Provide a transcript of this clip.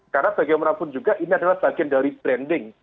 karena bagaimanapun juga ini adalah bagian dari branding